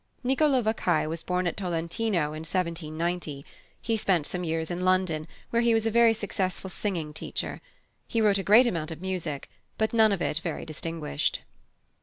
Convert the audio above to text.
Nicolò Vaccaj was born at Tolentino in 1790. He spent some years in London, where he was a very successful singing teacher. He wrote a great amount of music, but none of it is very distinguished.